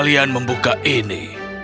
kalian membuka ini